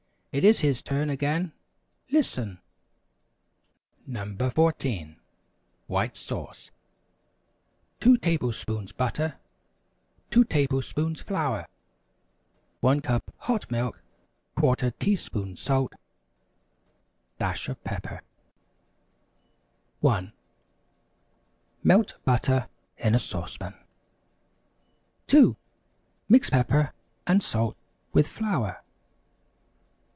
It is his turn again. Listen! NO. 14. WHITE SAUCE. 2 tablespoons butter 2 tablespoons flour 1 cup hot milk ¼ teaspoon salt dash of pepper 1. Melt butter in a sauce pan. 2. Mix pepper and salt with flour.